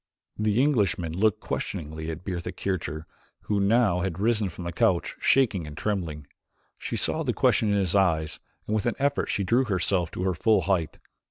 The Englishman looked questioningly at Bertha Kircher, who had now risen from the couch, shaking and trembling. She saw the question in his eyes and with an effort she drew herself to her full height.